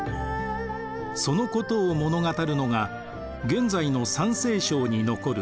そのことを物語るのが現在の山西省に残る雲崗石窟。